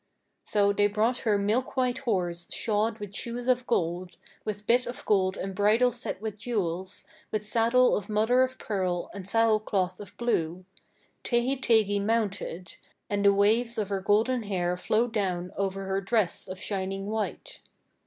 So they brought her milk white horse shod with shoes of gold, with bit of gold and bridle set with jewels, with saddle of mother of pearl and saddle cloth of blue. Tehi Tegi mounted, and the waves of her golden hair flowed down over her dress of shining white.